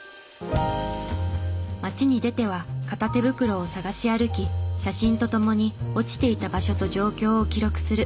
街に出ては片手袋を探し歩き写真と共に落ちていた場所と状況を記録する。